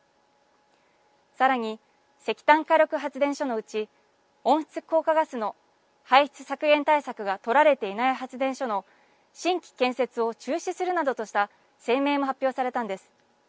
さらに、石炭火力発電所のうち温室効果ガスの排出削減対策がとられていない発電所の新規建設を中止するなどとした声明も発表されたんです。